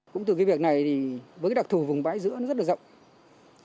cũng từ cái việc này thì với đặc thù vùng vãi giữa rất là rộng